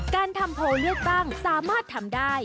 การทำโพลเลือกตั้งสามารถทำได้